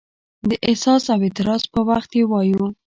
د احساس او اعتراض په وخت یې وایو.